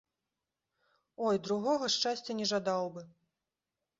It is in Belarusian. Ой, другога шчасця не жадаў бы!